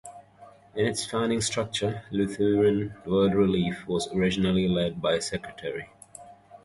In its founding structure, Lutheran World Relief was originally led by a secretary.